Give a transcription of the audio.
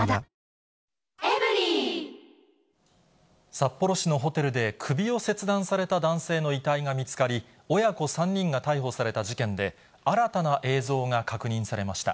札幌市のホテルで、首を切断された男性の遺体が見つかり、親子３人が逮捕された事件で、新たな映像が確認されました。